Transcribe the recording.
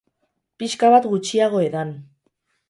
Pixka bat gutxiago edan.